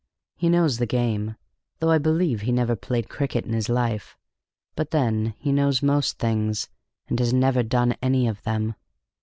He knows the game, though I believe he never played cricket in his life. But then he knows most things, and has never done any of them.